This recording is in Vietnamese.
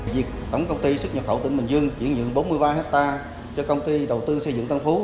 việc tổng công ty xuất nhập khẩu tỉnh bình dương chuyển nhượng bốn mươi ba hectare cho công ty đầu tư xây dựng tân phú